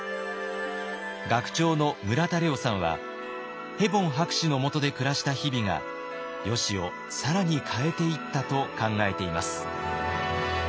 学長の村田玲音さんはヘボン博士のもとで暮らした日々がよしを更に変えていったと考えています。